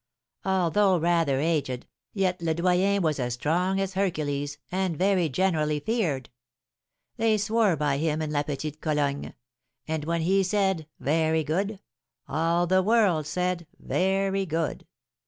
Although rather aged, yet Le Doyen was as strong as Hercules, and very generally feared. They swore by him in La Petite Pologne; and when he said 'Very good!' all the world said 'Very good!'